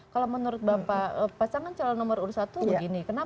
kalau menurut bapak pasangan calon nomor urut satu begini